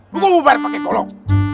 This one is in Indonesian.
lu gua mau bari pake golok